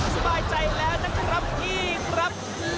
สบายใจแล้วนะครับพี่ครับ